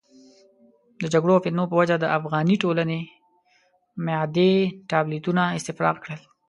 د جګړو او فتنو په وجه د افغاني ټولنې معدې ټابلیتونه استفراق کړل.